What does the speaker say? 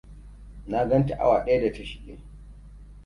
Na ganta awa ɗaya da ta shige.